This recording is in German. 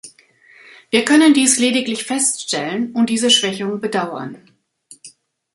Wir können dies lediglich feststellen und diese Schwächung bedauern.